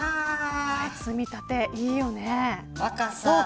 積み立て、いいよね。